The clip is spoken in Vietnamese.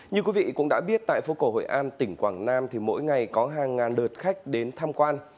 như quý vị cũng đã biết tại phố cổ hội an tỉnh quảng nam thì mỗi ngày có hàng ngàn lượt khách đến tham quan